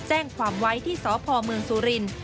กับความไว้ที่สพมสุรินทร์